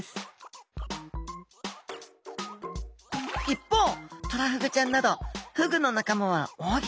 一方トラフグちゃんなどフグの仲間は扇形。